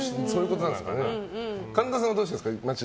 神田さんはどうしてますか？